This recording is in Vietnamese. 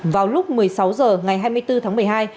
vào lúc một mươi sáu h ngày hai mươi bốn